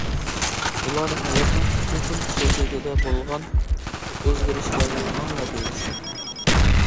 بۇلار ھاياتنىڭ ئىككى خىل خۇسۇسىيىتىدە بولغان ئۆزگىرىشلەرنىڭ نەتىجىسى.